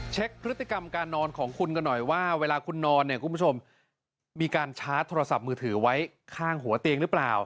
เช็คพฤติกรรมการนอนของคุณกันหน่อยว่าเวลาคุณนอนเนี่ยคุณผู้ชมมีการชาร์จโทรศัพท์มือถือไว้ข้างหัวเตียงหรือเปล่า